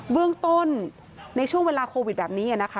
เบื้องต้นในช่วงเวลาโควิดแบบนี้นะคะ